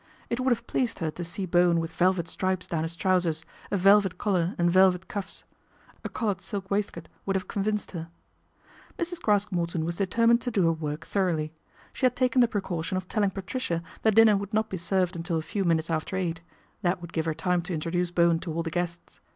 It would have pleased her to see Bowen with velvet stripes down his trousers, a velvet collar and velvet cuffs. A coloured silk waistcoat would have convinced her. Mrs. Craske Morton was determined to do her work thoroughly. She had taken the precaution of telling Patricia that dinner would not be served until a few minutes after eight, that would give her time to introduce Bowen to all the guests.